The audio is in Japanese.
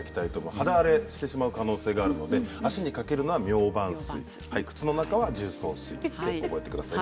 肌荒れしてしまう可能性があるので足にかけるのはミョウバン水靴の中は重曹水と覚えてください。